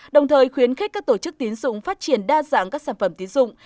đồng thời khuyến khích các tổ chức tín dụng phát triển đa dạng các sản phẩm tiến dụng